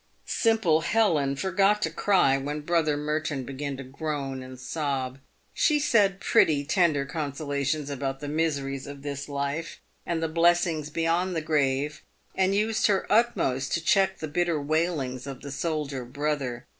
Simple Helen forgot to cry when brother Merton began to groan and sob. She said pretty, tender consolations about the miseries of this life and the blessings beyond the grave, and used her utmost to check the bitter wailings of the soldier brother.